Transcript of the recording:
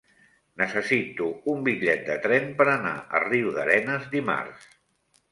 Necessito un bitllet de tren per anar a Riudarenes dimarts.